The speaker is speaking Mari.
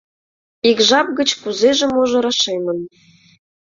Ик жап гыч кузеже-можо рашемын.